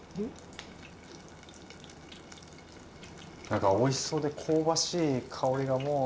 なんかおいしそうで香ばしい香りがもう。